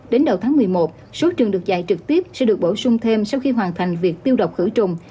đến đầu tháng một mươi một số trường được dạy trực tiếp sẽ được bổ sung thêm sau khi hoàn thành việc tiêu độc khử trùng